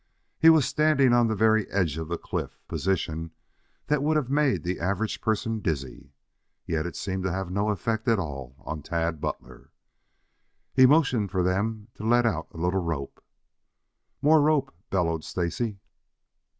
He was standing on the very edge of the cliff, a position that would have made the average person dizzy. Yet it seemed to have no effect at all on Tad Butler. He motioned for them to let out a little rope. "More rope!" bellowed Stacy.